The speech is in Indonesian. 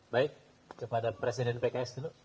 baik kepada presiden pks dulu